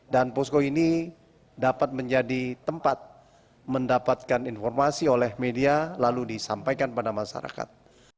dan ini akan menjadi tempat mendapatkan informasi oleh media lalu disampaikan pada masyarakat